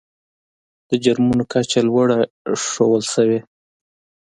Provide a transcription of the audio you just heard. د جرمونو کچه لوړه ښودل شوې.